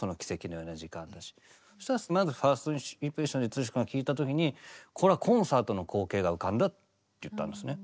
そしたらまずファーストインプレッションで剛君が聴いた時にこれはコンサートの光景が浮かんだって言ったんですね。